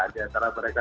di antara mereka